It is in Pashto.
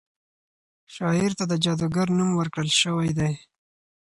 شاعر ته د جادوګر نوم ورکړل شوی دی.